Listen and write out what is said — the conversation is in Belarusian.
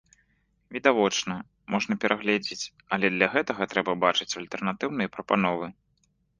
Відавочна, можна перагледзець, але для гэтага трэба бачыць альтэрнатыўныя прапановы.